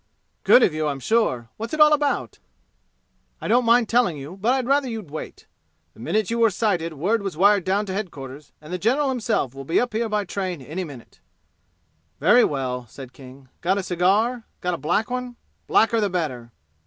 "Good of you, I'm sure. What's it all about?" "I don't mind telling you, but I'd rather you'd wait. The minute you were sighted word was wired down to headquarters, and the general himself will be up here by train any minute." "Very well," said King. "Got a cigar? Got a black one? Blacker the better!"